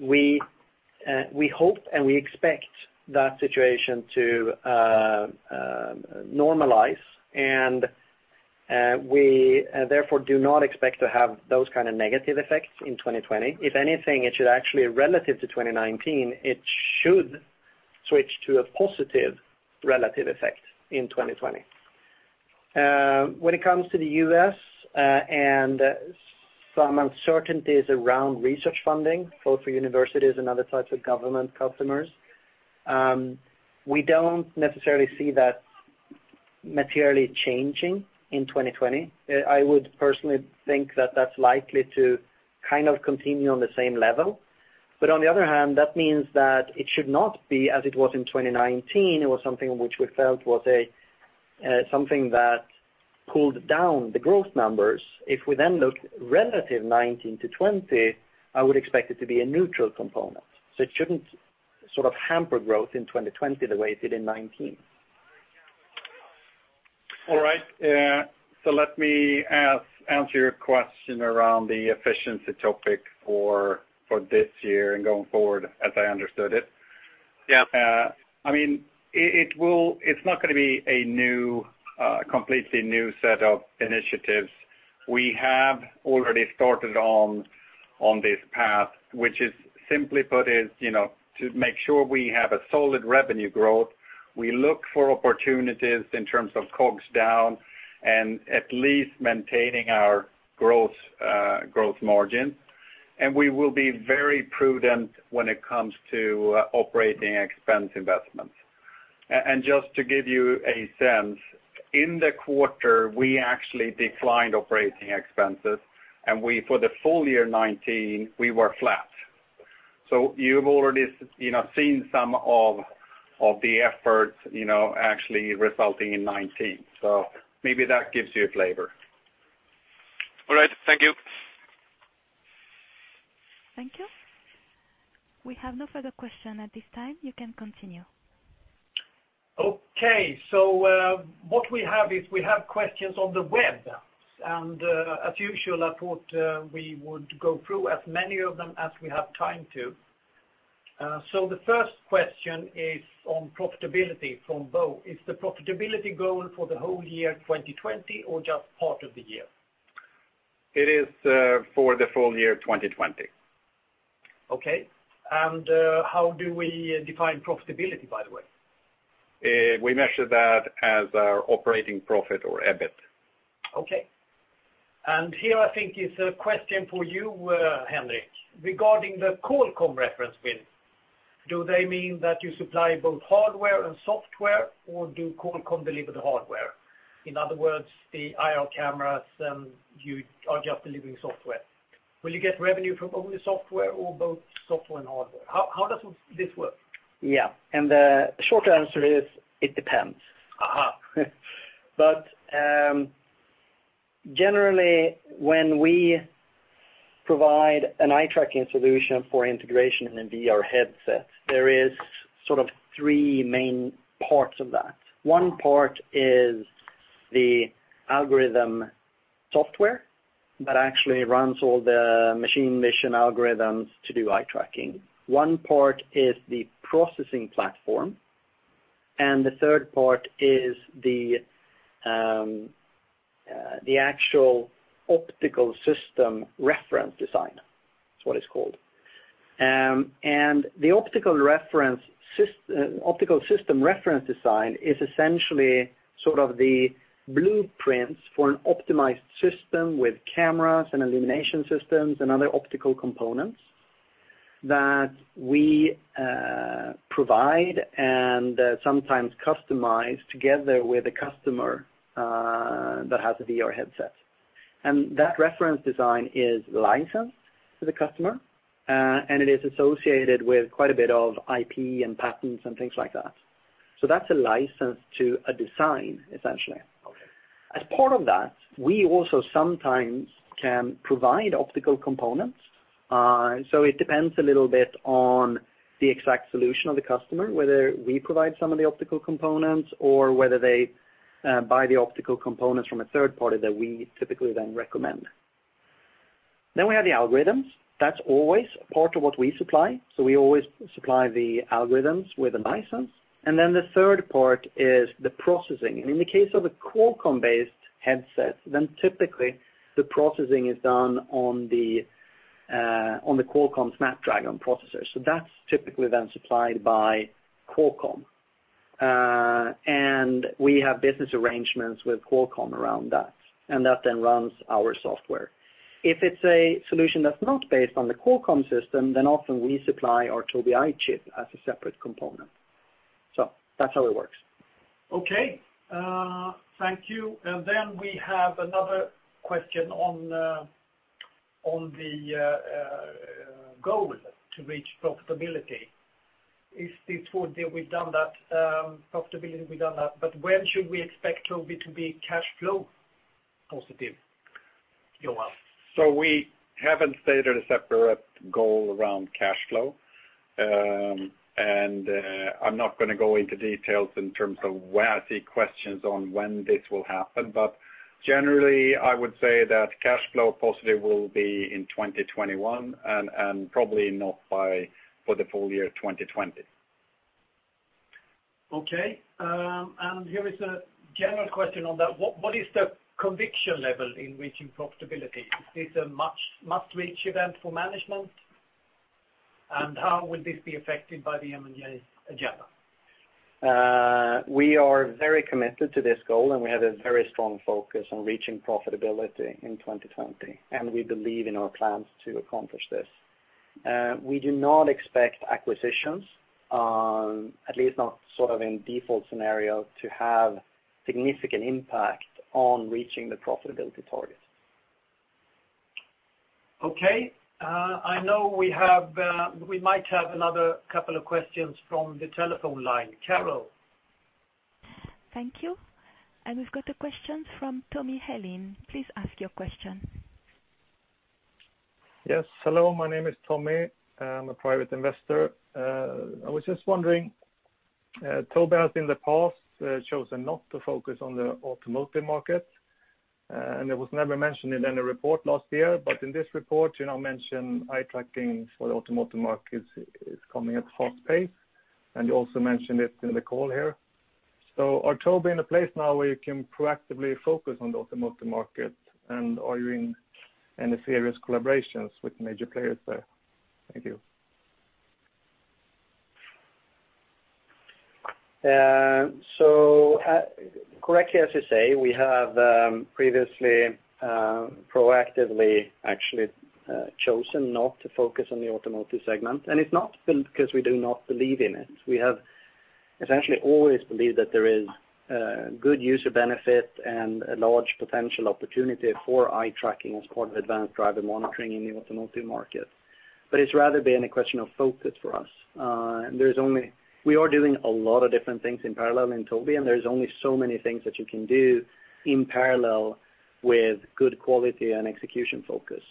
We hope and we expect that situation to normalize. We therefore do not expect to have those kind of negative effects in 2020. If anything, it should actually, relative to 2019, it should switch to a positive relative effect in 2020. When it comes to the U.S. and some uncertainties around research funding, both for universities and other types of government customers, we don't necessarily see that materially changing in 2020. I would personally think that's likely to continue on the same level. On the other hand, that means that it should not be as it was in 2019. It was something which we felt was something that pulled down the growth numbers. If we then look relative 2019-2020, I would expect it to be a neutral component. It shouldn't hamper growth in 2020 the way it did in 2019. All right. Let me answer your question around the efficiency topic for this year and going forward, as I understood it. Yeah. It's not going to be a completely new set of initiatives. We have already started on this path, which is simply put, to make sure we have a solid revenue growth. We look for opportunities in terms of COGS down and at least maintaining our gross margin, and we will be very prudent when it comes to operating expense investments. Just to give you a sense, in the quarter, we actually declined operating expenses, and for the full year 2019, we were flat. You've already seen some of the efforts actually resulting in 2019. Maybe that gives you a flavor. All right. Thank you. Thank you. We have no further questions at this time. You can continue. What we have is we have questions on the web. As usual, I thought we would go through as many of them as we have time to. The first question is on profitability from Bo. Is the profitability goal for the whole year 2020 or just part of the year? It is for the full year 2020. Okay. How do we define profitability, by the way? We measure that as our operating profit or EBIT. Okay. Here I think is a question for you, Henrik, regarding the Qualcomm reference win. Do they mean that you supply both hardware and software, or do Qualcomm deliver the hardware? In other words, the IR cameras, you are just delivering software. Will you get revenue from only software or both software and hardware? How does this work? Yeah. The short answer is it depends. Aha. Generally, when we provide an eye tracking solution for integration in a VR headset, there is three main parts of that. One part is the algorithm software that actually runs all the machine vision algorithms to do eye tracking. One part is the processing platform, and the third part is the actual optical system reference design is what it's called. The optical system reference design is essentially the blueprints for an optimized system with cameras and illumination systems and other optical components that we provide and sometimes customize together with a customer that has a VR headset. That reference design is licensed to the customer, and it is associated with quite a bit of IP and patents and things like that. That's a license to a design, essentially. Okay. As part of that, we also sometimes can provide optical components. It depends a little bit on the exact solution of the customer, whether we provide some of the optical components or whether they buy the optical components from a third party that we typically then recommend. We have the algorithms. That's always a part of what we supply. We always supply the algorithms with a license. The third part is the processing. In the case of a Qualcomm-based headset, then typically the processing is done on the Qualcomm Snapdragon processor. That's typically then supplied by Qualcomm. We have business arrangements with Qualcomm around that, and that then runs our software. If it's a solution that's not based on the Qualcomm system, often we supply our Tobii EyeChip as a separate component. That's how it works. Okay. Thank you. We have another question on the goal to reach profitability. We've done that profitability, when should we expect Tobii to be cash flow positive, Joakim? We haven't stated a separate goal around cash flow. I'm not going to go into details in terms of where I see questions on when this will happen. Generally, I would say that cash flow positive will be in 2021 and probably not for the full year 2020. Okay. Here is a general question on that. What is the conviction level in reaching profitability? Is it a must-reach event for management? How will this be affected by the M&A agenda? We are very committed to this goal. We have a very strong focus on reaching profitability in 2020. We believe in our plans to accomplish this. We do not expect acquisitions, at least not in default scenario, to have significant impact on reaching the profitability targets. Okay. I know we might have another couple of questions from the telephone line. Carol? Thank you. We've got a question from Tommy Helin. Please ask your question. Yes. Hello, my name is Tommy. I'm a private investor. I was just wondering, Tobii has in the past chosen not to focus on the automotive market, and it was never mentioned in any report last year. In this report, you now mention eye tracking for the automotive market is coming at a fast pace, and you also mentioned it in the call here. Are Tobii in a place now where you can proactively focus on the automotive market, and are you in any serious collaborations with major players there? Thank you. Correctly, as you say, we have previously proactively actually chosen not to focus on the automotive segment, and it's not because we do not believe in it. We have essentially always believed that there is good user benefit and a large potential opportunity for eye tracking as part of advanced driver monitoring in the automotive market. It's rather been a question of focus for us. We are doing a lot of different things in parallel in Tobii, and there's only so many things that you can do in parallel with good quality and execution focus.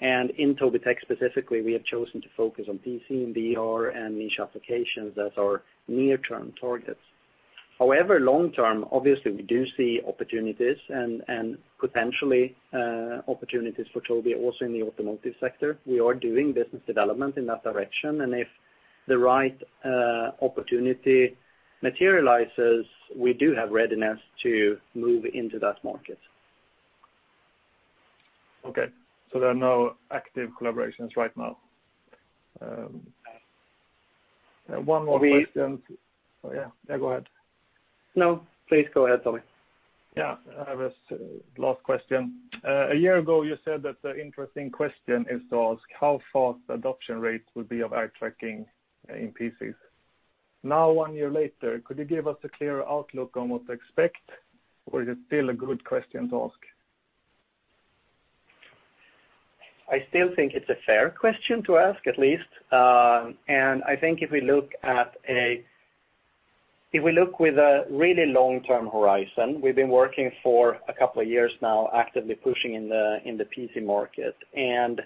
In Tobii Tech specifically, we have chosen to focus on PC and VR and niche applications as our near-term targets. However, long term, obviously, we do see opportunities and potentially opportunities for Tobii also in the automotive sector. We are doing business development in that direction, and if the right opportunity materializes, we do have readiness to move into that market. Okay, there are no active collaborations right now. One more question. Yeah, go ahead. No, please go ahead, Tommy. Yeah. Last question. A year ago, you said that the interesting question is to ask how fast the adoption rate would be of eye tracking in PCs. Now, one year later, could you give us a clear outlook on what to expect, or is it still a good question to ask? I still think it's a fair question to ask, at least. I think if we look with a really long-term horizon, we've been working for a couple of years now actively pushing in the PC market, and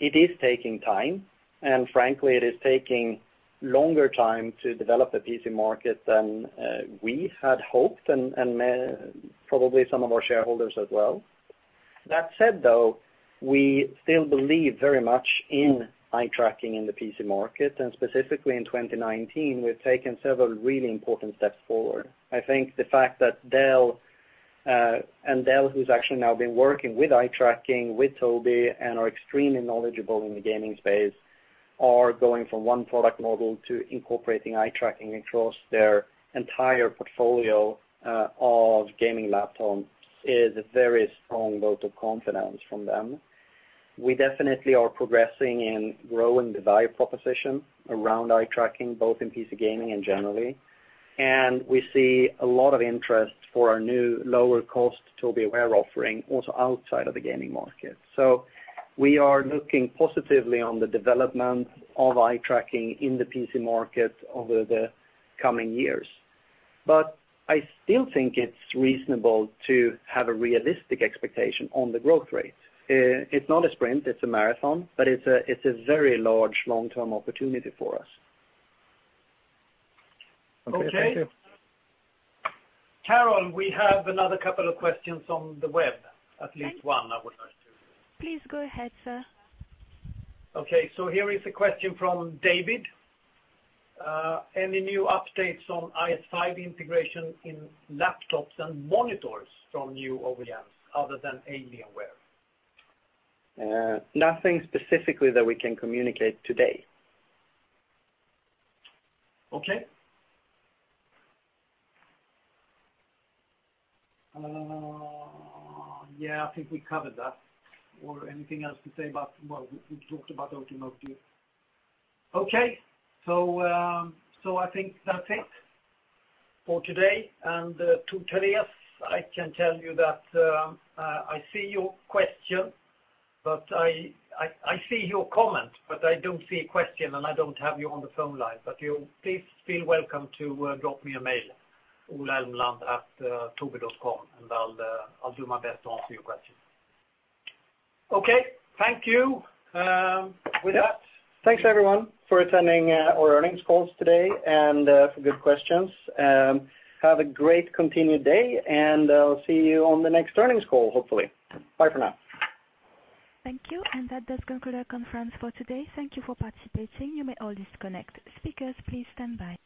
it is taking time, and frankly, it is taking longer time to develop the PC market than we had hoped, and probably some of our shareholders as well. That said, though, we still believe very much in eye tracking in the PC market, and specifically in 2019, we've taken several really important steps forward. I think the fact that Dell, who's actually now been working with eye tracking with Tobii and are extremely knowledgeable in the gaming space, are going from one product model to incorporating eye tracking across their entire portfolio of gaming laptops is a very strong vote of confidence from them. We definitely are progressing in growing the value proposition around eye tracking, both in PC gaming and generally. We see a lot of interest for our new lower cost Tobii Aware offering also outside of the gaming market. We are looking positively on the development of eye tracking in the PC market over the coming years. I still think it's reasonable to have a realistic expectation on the growth rate. It's not a sprint, it's a marathon, but it's a very large long-term opportunity for us. Okay. Thank you. Carol, we have another couple of questions on the web. At least one, I would like to do. Please go ahead, sir. Okay, here is a question from David. Any new updates on IS5 integration in laptops and monitors from new OEMs other than Alienware? Nothing specifically that we can communicate today. Okay. Yeah, I think we covered that. Anything else to say about, well, we talked about automotive. Okay. I think that's it for today. To Therese, I can tell you that I see your comment, but I don't see a question, and I don't have you on the phone line. Please feel welcome to drop me a mail, ola.elmeland@tobii.com, and I'll do my best to answer your question. Okay. Thank you. Thanks, everyone, for attending our earnings calls today and for good questions. Have a great continued day, and I'll see you on the next earnings call, hopefully. Bye for now. Thank you. That does conclude our conference for today. Thank you for participating. You may all disconnect. Speakers, please stand by.